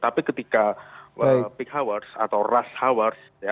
tapi ketika peak hours atau rush hours